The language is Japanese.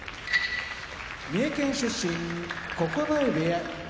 三重県出身九重部屋